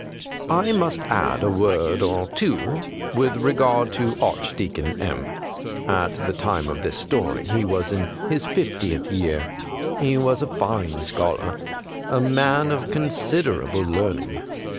I must add a word or two with regard to Archdeacon M . At the time of this story he was in his fiftieth year. He was a fine scholar, a man of considei'able learning.